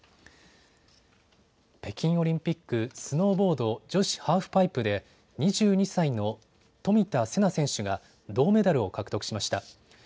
北京オリンピックスノーボード女子ハーフパイプで２２歳の冨田せな選手が銅メダルを獲得しました。